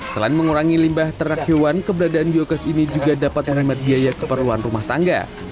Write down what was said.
selain mengurangi limbah ternak hewan keberadaan biogas ini juga dapat menghemat biaya keperluan rumah tangga